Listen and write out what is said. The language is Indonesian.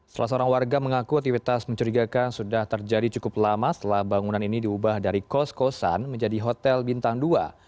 salah seorang warga mengaku aktivitas mencurigakan sudah terjadi cukup lama setelah bangunan ini diubah dari kos kosan menjadi hotel bintang dua